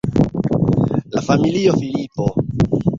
La familio Filipo.